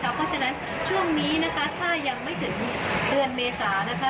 เพราะฉะนั้นช่วงนี้นะคะถ้ายังไม่ถึงเดือนเมษานะคะ